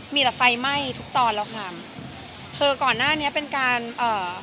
มีแต่ไฟไหม้ทุกตอนแล้วค่ะคือก่อนหน้านี้เป็นการเอ่อ